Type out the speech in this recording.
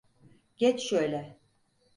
Geç şöyle.